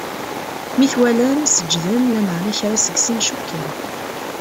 Mi t-walan, seǧǧden, lameɛna kra seg-sen cukken.